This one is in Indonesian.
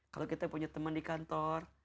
kalau kita punya teman di kantor